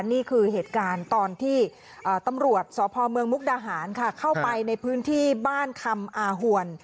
นี่คือเหตุการณ์ตอนที่ตำรวจสพเมืองมุกดาหารค่ะเข้าไปในพื้นที่บ้านคำอาหวน